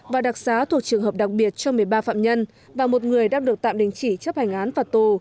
và đặc xá thuộc trường hợp đặc biệt cho một mươi ba phạm nhân và một người đang được tạm đình chỉ chấp hành án phạt tù